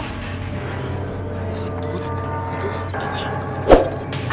dari itu itu itu